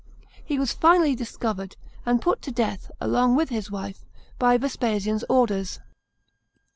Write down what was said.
He was finally discovered, and put to death, along with his wife, by Vespasian's orders.